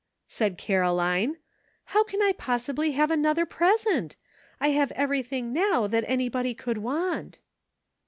said Caroline; "bow can I possibly have another present? I have everything now that anybody could want."